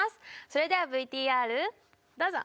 それではＶＴＲどうぞ！